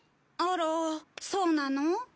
あらそうなの？